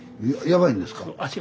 ヤバいんですか？